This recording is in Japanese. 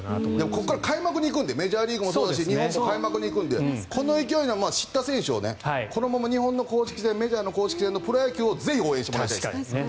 ここから開幕に行くんでメジャーリーグもそうだし日本もそうですからこの勢いのまま知った選手を、日本の公式戦メジャーの公式戦のプロ野球をぜひ応援してもらいたいです。